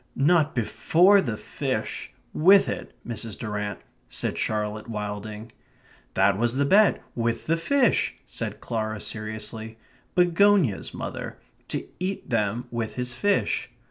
"Not BEFORE the fish with it, Mrs. Durrant," said Charlotte Wilding. "That was the bet; with the fish," said Clara seriously. "Begonias, mother. To eat them with his fish."